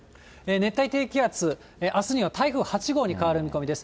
熱帯低気圧、あすには台風８号に変わる見込みです。